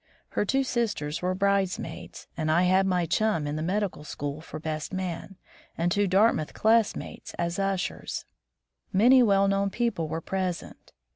Her two sisters were bridesmaids, and I had my chum in the medical school for best man, and two Dartmouth class mates as ushers. Many well known people were present.